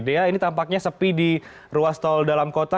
dea ini tampaknya sepi di ruas tol dalam kota